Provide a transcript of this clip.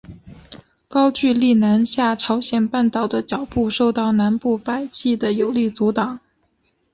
高句丽南下朝鲜半岛的脚步受到南部百济的有力阻挡。